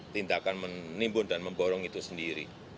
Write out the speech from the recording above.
tindakan menimbun dan memborong itu sendiri